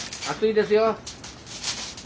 熱いですよ。